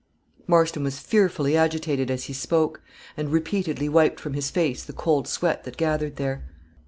Marston was fearfully agitated as he spoke, and repeatedly wiped from his face the cold sweat that gathered there.